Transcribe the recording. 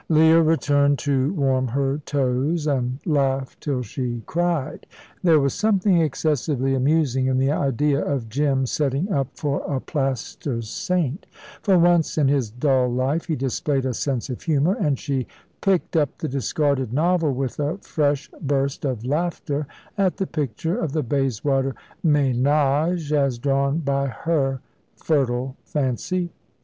Leah returned to warm her toes and laugh till she cried. There was something excessively amusing in the idea of Jim setting up for a plaster saint. For once in his dull life he displayed a sense of humour, and she picked up the discarded novel with a fresh burst of laughter at the picture of the Bayswater ménage, as drawn by her fertile fancy.